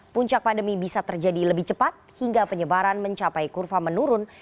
puncak pandemi bisa terjadi lebih cepat hingga penyebaran mencapai kurva menurun